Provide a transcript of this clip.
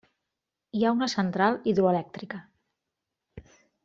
Hi ha una central hidroelèctrica.